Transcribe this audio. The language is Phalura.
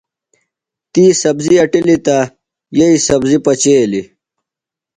تی سبزیۡ اٹِلی تہ یییۡ سبزیۡ پچیلیۡ۔